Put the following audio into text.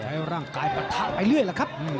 ให้ร่างกายปะทะไปเรื่อยล่ะครับ